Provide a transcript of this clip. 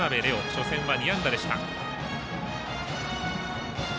初戦は２安打でした。